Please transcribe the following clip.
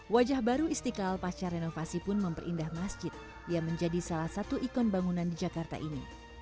wajah baru istiqlal pasca renovasi pun memperindah masjid yang menjadi salah satu ikon bangunan di jakarta ini